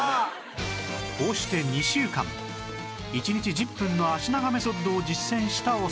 こうして２週間１日１０分の脚長メソッドを実践したお三方